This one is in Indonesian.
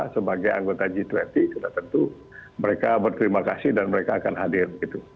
sebagai anggota g dua puluh sudah tentu mereka berterima kasih dan mereka akan hadir